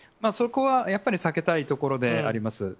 そこはやっぱり避けたいところであります。